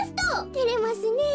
てれますねえ。